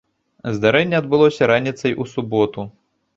Здарэнне адбылося раніцай у суботу.